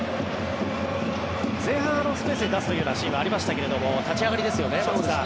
前半、スペースに出すようなシーンはありましたけど立ち上がりですよね。